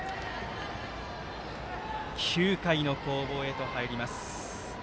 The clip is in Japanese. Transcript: ９回の攻防へと入ります。